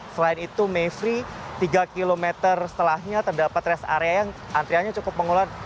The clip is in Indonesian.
selain itu mayfree tiga kilometer setelahnya terdapat rest area yang antriannya cukup mengelola